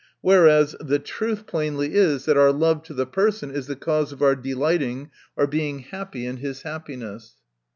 Whereas, the truth plainly is, that our love to the person is the cause of our delighting, or being happy in his happiness.